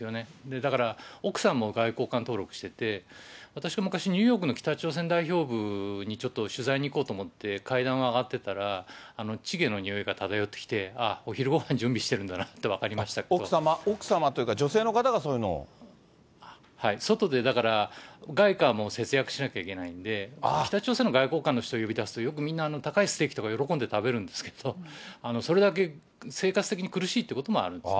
だから、奥さんも外交官登録してて、私が昔ニューヨークの北朝鮮代表部にちょっと取材に行こうと思って、階段を上がっていったら、チゲの匂いが漂ってきて、ああ、お昼ごはん準備してるんだなって、奥様というか、女性の方が、外で、だから外貨も節約しなきゃいけないんで、北朝鮮の外交官の人を呼び出すと、よくみんな高いステーキとか喜んで食べるんですけど、それだけ生活的に苦しいということもあるんですね。